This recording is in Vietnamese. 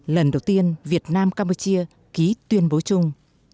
lần đầu tiên việt nam campuchia ký tuyên bố chung